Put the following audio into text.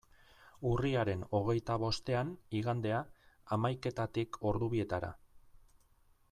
Urriaren hogeita bostean, igandea, hamaiketatik ordu bietara.